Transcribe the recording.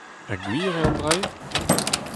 Ha gwir eo an dra-se ?